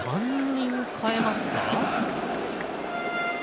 ３人、代えますか。